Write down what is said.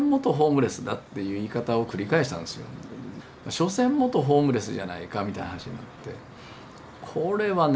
「所詮元ホームレスじゃないか」みたいな話になってこれはね